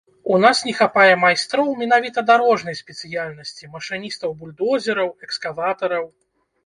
У нас не хапае майстроў менавіта дарожнай спецыяльнасці, машыністаў бульдозераў, экскаватараў.